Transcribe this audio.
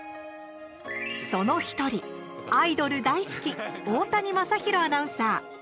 その１人、アイドル大好き大谷昌弘アナウンサー。